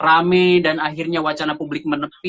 kalau kemudian setelah marah p rampari wacana publik juga menepi